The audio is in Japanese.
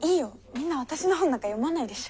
みんな私の本なんか読まないでしょ。